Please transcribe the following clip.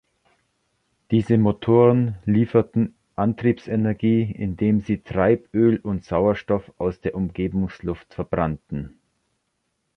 Diese Motoren lieferten Antriebsenergie, indem sie Treiböl und Sauerstoff aus der Umgebungsluft verbrannten.